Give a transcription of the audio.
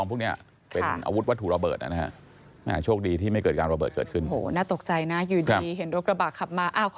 วัดเจ็บแม่นอนครับ